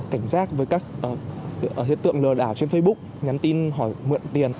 cảnh giác với các hiện tượng lừa đảo trên facebook nhắn tin hỏi mượn tiền